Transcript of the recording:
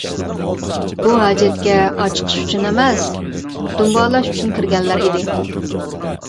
بۇ ھاجەتكە ئاچىقىش ئۈچۈن ئەمەس، دۇمبالاش ئۈچۈن كىرگەنلەر ئىدى.